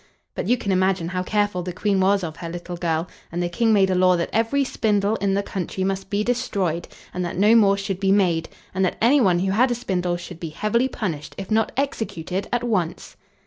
But you can imagine how careful the Queen was of her little girl; and the King made a law that every spindle in the country must be destroyed, and that no more should be made, and that anyone who had a spindle should be heavily punished if not executed at once.